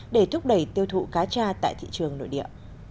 để thúc đẩy tiêu thụ cá tra tại thị trường nội địa